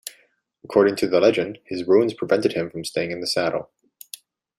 According to the legend, his wounds prevented him from staying in the saddle.